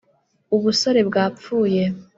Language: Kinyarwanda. Ubusore bwapfuye